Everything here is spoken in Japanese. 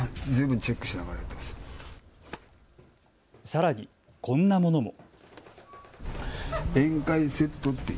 さらに、こんなものも。